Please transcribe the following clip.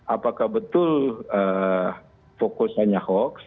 apakah betul fokus hanya hoax